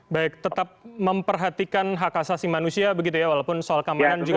baik tetap memperhatikan hak asasi manusia begitu ya walaupun soal keamanan juga